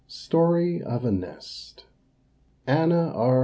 _ STORY OF A NEST. ANNA R.